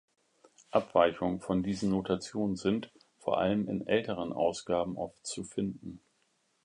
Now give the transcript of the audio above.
Abweichungen von diesen Notationen sind, vor allem in älteren Ausgaben, oft zu finden.